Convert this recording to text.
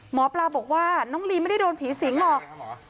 หมอปลาบอกว่าน้องลีไม่ได้โดนผีสิงหรอก